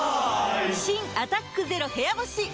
新「アタックＺＥＲＯ部屋干し」解禁‼